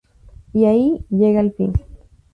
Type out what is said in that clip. Y ahí llega el fin.